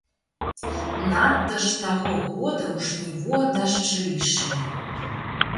Надта ж таго года ў жніво дажджы ішлі.